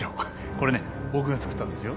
これね僕が作ったんですよ。